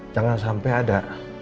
jangan sampai ada